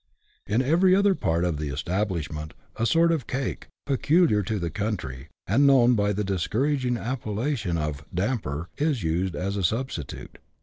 In every other part of the establishment a sort of cake, peculiar to the country, and known by the discouraging appellation of " damper," is used as a substitute.